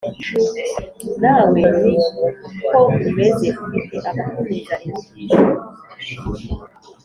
Nawe ni ko umeze ufite abakomeza inyigisho